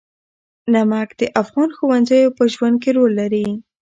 نمک د افغان ښځو په ژوند کې رول لري.